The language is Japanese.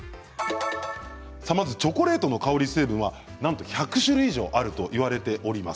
チョコレートの香り成分は１００種類以上あるといわれています。